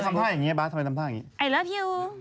มันก็ทำท่าอย่างงี้บ๊าสเอิรับยู